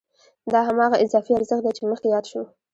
دا هماغه اضافي ارزښت دی چې مخکې یاد شو